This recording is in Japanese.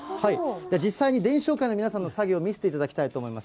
実際に伝承会の皆さんの作業、見せていただきたいと思います。